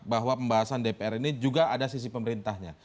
bahwa pembahasan dpr ini juga ada sisi pemerintahnya